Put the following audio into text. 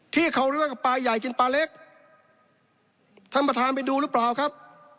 ที่เขาเรียกว่าปลาใหญ่กินปลาเล็กท่านประธานไปดูหรือเปล่าครับ